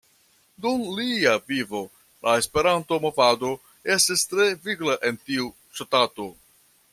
Dum lia vivo la Esperanto-movado estis tre vigla en tiu ŝtato.